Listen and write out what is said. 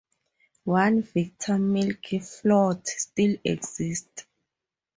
One Victor milk float still exists.